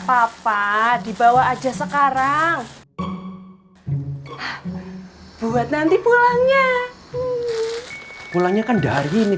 papa dibawa aja sekarang buat nanti pulangnya pulangnya kan dari ini